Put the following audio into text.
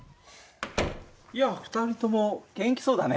やあ２人とも元気そうだね。